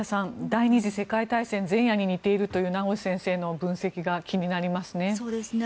第２次世界大戦前夜に似ているという名越先生の分析が気になりますね。